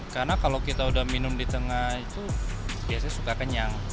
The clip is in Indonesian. karena kalau kita udah minum di tengah itu biasanya suka kenyang